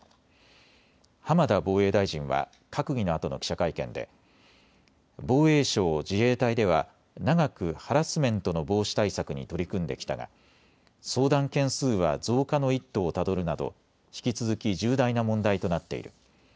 浜田防衛大臣は閣議のあとの記者会見で防衛省・自衛隊では長くハラスメントの防止対策に取り組んできたが相談件数は増加の一途をたどるなど引き続き重大な問題となっている。